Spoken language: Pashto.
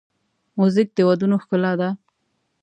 موزیک د ودونو ښکلا ده.